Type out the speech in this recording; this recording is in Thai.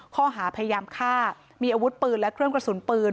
ข้อหาพยายามฆ่ามีอาวุธปืนและเครื่องกระสุนปืน